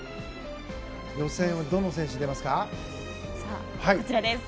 予選はどの選手が出ますか？